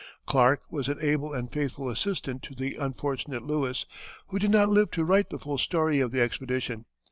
Clark was an able and faithful assistant to the unfortunate Lewis, who did not live to write the full story of the expedition.